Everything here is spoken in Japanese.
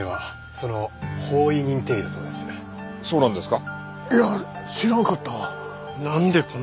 そうなんですか？